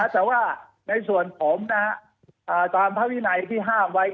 แต่ว่าในส่วนผมตามพระวินัยที่ห้ามไว้